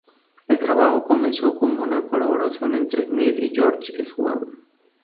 El trabajo comenzó como una colaboración entre Smith y George Shaw.